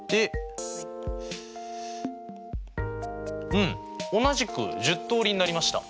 うん同じく１０通りになりました。